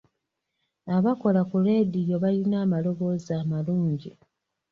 Abakola ku leediyo balina amaloboozi amalungi.